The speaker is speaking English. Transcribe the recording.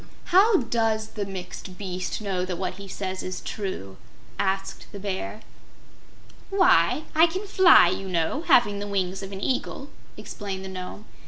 "How does the Mixed Beast know that what he says is true?" asked the Bear. "Why, I can fly, you know, having the wings of an Eagle," explained the Nome.